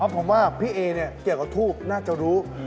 เพราะผมว่าพี่เอ๊เกี่ยวกับถูกน่าจะรู้